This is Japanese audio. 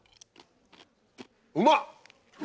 うまっ！